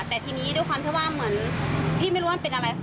แต่ทีนี้ด้วยความที่ว่าเหมือนพี่ไม่รู้ว่ามันเป็นอะไร